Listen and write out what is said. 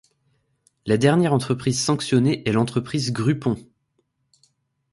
La dernière entreprise sanctionnée est l'entreprise Grupon.